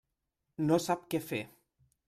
No sap què fer.